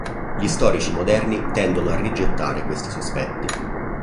Gli storici moderni tendono a rigettare questi sospetti.